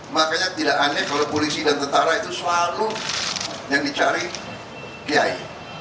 makanya tidak aneh kalau polisi dan tentara itu selalu yang dicari kiai